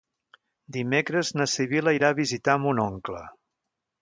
Dimecres na Sibil·la irà a visitar mon oncle.